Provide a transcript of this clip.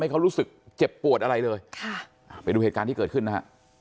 เขารู้สึกเจ็บปวดอะไรเลยค่ะไปดูเหตุการณ์ที่เกิดขึ้นนะฮะ